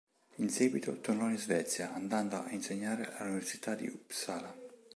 In seguito tornò in Svezia andando ad insegnare all'Università di Uppsala.